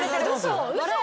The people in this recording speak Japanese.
嘘！